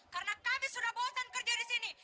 karena kami sudah bosan kerja di sini